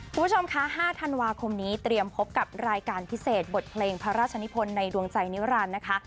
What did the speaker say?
คุณผู้ชมคะ๕ธันวาคมนี้เตรียมพบกับรายการพิเศษบทเพลงพระราชนิพลในดวงใจนิรันดิ์นะคะ